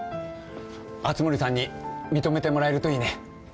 熱護さんに認めてもらえるといいね。